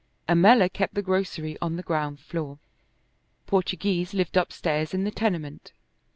Ammella kept the grocery on the ground floor. Portoghese lived upstairs in the tenement.